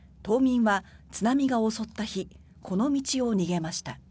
島民は、津波が襲った日この道を逃げました。